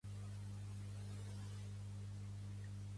"Samurai Assassin" va ser una coproducció de Toho i Mifune Productions.